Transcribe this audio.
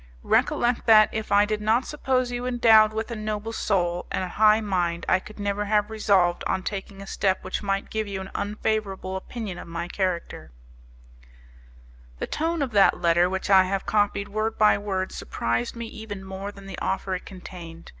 "Recollect that, if I did not suppose you endowed with a noble soul and a high mind, I could never have resolved on taking a step which might give you an unfavorable opinion of my character" The tone of that letter, which I have copied word by word, surprised me even more than the offer it contained.